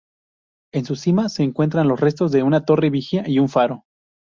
En su cima se encuentran los restos de una torre vigía y un faro.